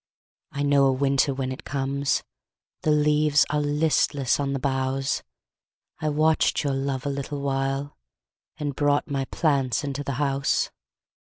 I know a winter when it comes: The leaves are listless on the boughs; I watched your love a little while, And brought my plants into the house.